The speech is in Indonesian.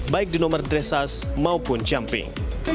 baik di nomor dressage maupun jumping